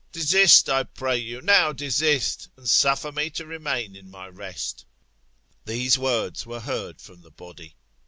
Desist, I pray you, now desist, and suffer me to remain in my rest. These words were heard from the body.